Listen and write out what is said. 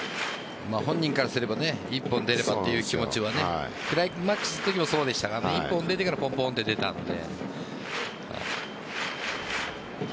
本人からすれば１本出ればという気持ちはクライマックスのときもそうでしたが１本出てからポンポンと出たので。